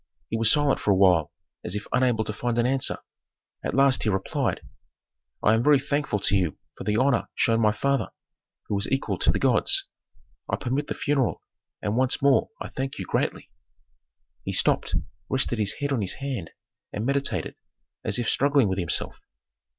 He was silent for a while as if unable to find an answer; at last he replied, "I am very thankful to you for the honor shown my father, who is equal to the gods. I permit the funeral, and once more I thank you greatly." He stopped, rested his head on his hand and meditated, as if struggling with himself.